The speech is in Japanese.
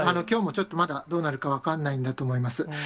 きょうも、ちょっとまだどうなるか分からないんだと思います。